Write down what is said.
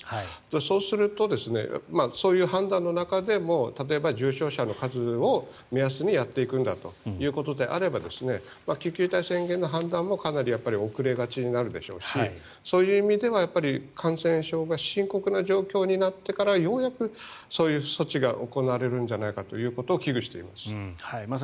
そうするとそういう判断の中でも例えば重症者の数を目安にやっていくんだということであれば緊急事態宣言の判断もかなり遅れがちになるでしょうしそういう意味では感染症が深刻な状況になってからようやくそういう措置が行われるんじゃないかということを危惧しています。